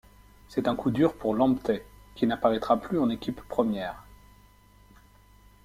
C'est un coup dur pour Lamptey, qui n'apparaîtra plus en équipe première.